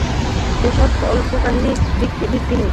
এসব কল্প-কাহিনী ভিত্তিহীন।